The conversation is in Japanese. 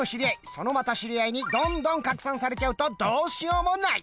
そのまた知り合いにどんどん拡散されちゃうとどうしようもない！